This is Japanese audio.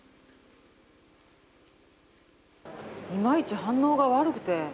いまいち反応が悪くて。